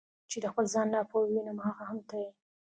چې د خپل ځان نه ناپوه وینم هغه هم ته یې.